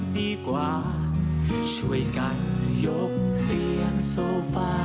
ดีกว่าช่วยกันยกเตียงโซฟา